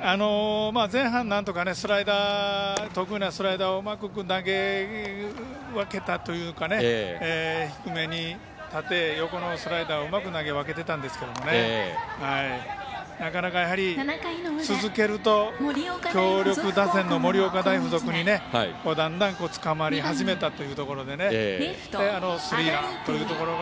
前半、なんとか得意なスライダーをうまく投げ分けたというか低めに縦横のスライダーをうまく投げ分けていたんですけどなかなか続けると、強力打線の盛岡大付属にだんだんつかまり始めたというところでスリーランというところが。